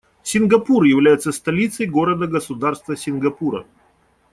Сингапур является столицей города-государства Сингапура.